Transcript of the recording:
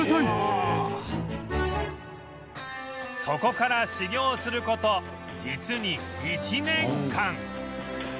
そこから修業する事実に１年間